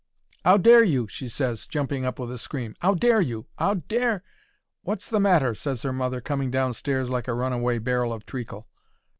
"'Ow dare you!" she ses, jumping up with a scream. "'Ow dare you! 'Ow dare——" "Wot's the matter?" ses her mother, coming downstairs like a runaway barrel of treacle.